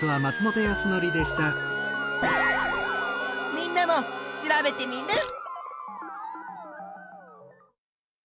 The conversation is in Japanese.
みんなも調べテミルン！